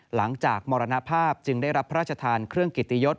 มรณภาพจึงได้รับพระราชทานเครื่องกิตยศ